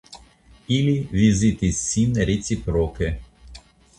Ili vizitis sin reciproke.